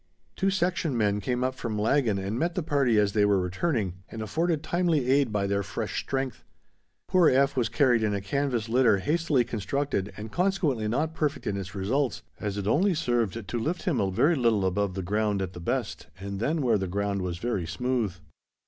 Two section men came up from Laggan and met the party as they were returning, and afforded timely aid by their fresh strength. Poor F. was carried in a canvas litter hastily constructed and consequently not perfect in its results, as it only served to lift him a very little above the ground at the best and then where the ground was very smooth.